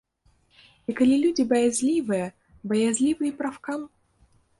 І калі людзі баязлівыя, баязлівы і прафкам.